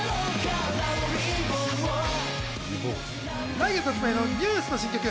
来月発売のＮＥＷＳの新曲。